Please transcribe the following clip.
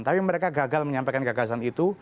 tapi mereka gagal menyampaikan gagasan itu